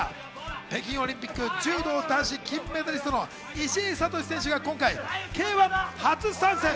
北京オリンピック、柔道男子金メダリストの石井慧選手が今回、Ｋ−１初参戦。